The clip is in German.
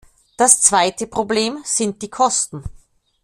Das zweite Problem sind die Kosten.